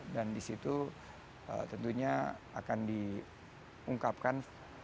dan di situ tentunya akan diungkapkan